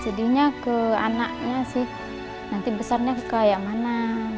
sedihnya ke anaknya sih nanti besarnya kayak mana